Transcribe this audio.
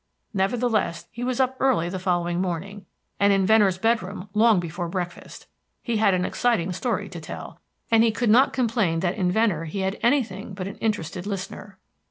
Nevertheless, he was up early the following morning, and in Venner's bedroom long before breakfast. He had an exciting story to tell, and he could not complain that in Venner he had anything but an interested listener.